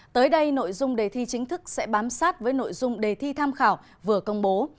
tới đây nội dung đề thi chính thức sẽ bám sát với nội dung đề thi tham khảo vừa công bố